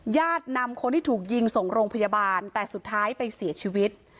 ญาตินำคนที่ถูกยิงส่งโรงพยาบาลแต่สุดท้ายไปเสียชีวิต